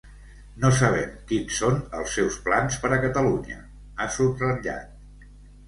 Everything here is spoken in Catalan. No sabem quins són els seus plans per a Catalunya, ha subratllat.